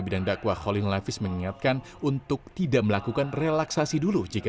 kita sama sama mencoba mengawasinya dengan lebih baik